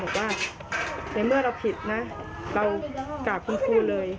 บอกว่าในเมื่อเราผิดนะเรากราบคุณครูเลย